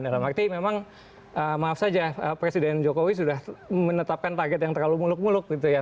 dalam arti memang maaf saja presiden jokowi sudah menetapkan target yang terlalu muluk muluk gitu ya